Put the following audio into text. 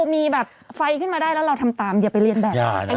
มีแบบไฟขึ้นมาได้แล้วเราทำตามอย่าไปเรียนแบบ